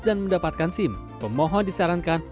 dan mendapatkan sim pemohon disarankan